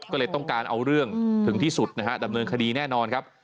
ก็เลยต้องการเอาเรื่องถึงที่สุดนะฮะดำเนินคดีแน่นอนครับ